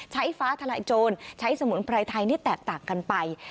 ฟ้าทลายโจรใช้สมุนไพรไทยนี่แตกต่างกันไป